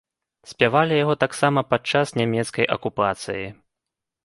Спявалі яго таксама падчас нямецкай акупацыі.